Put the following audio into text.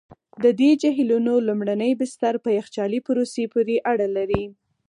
د دې جهیلونو لومړني بستر په یخچالي پروسې پوري اړه لري.